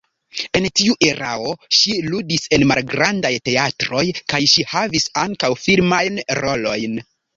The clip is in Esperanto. En tiu erao ŝi ludis en malgrandaj teatroj kaj ŝi havis ankaŭ filmajn rolojn.